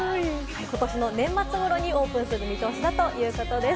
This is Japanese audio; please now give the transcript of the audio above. ことしの年末ごろにオープンする見通しだということです。